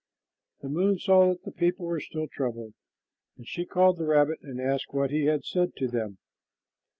The moon saw that the people were still troubled, and she called the rabbit and asked what he had said to them.